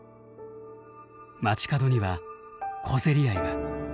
街角には小競り合いが。